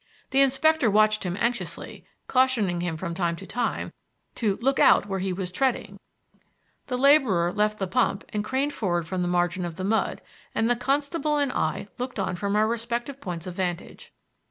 The inspector watched him anxiously, cautioning him from time to time to "look out where he was treading"; the laborer left the pump and craned forward from the margin of the mud, and the constable and I looked on from our respective points of vantage.